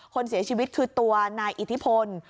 คนเสียชีวิตคือตัวนายอิทธิพล